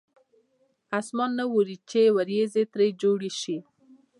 اسمان نه اوري چې ورېځې ترې جوړې شي.